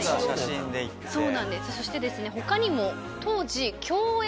そして他にも。